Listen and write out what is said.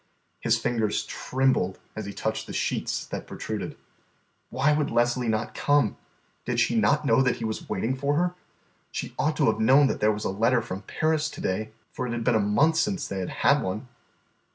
His fingers trembled as he touched the sheets that protruded. Why would not Leslie come? Did she not know that he was waiting for her? She ought to have known that there was a letter from Paris to day, for it had been a month since they had had one.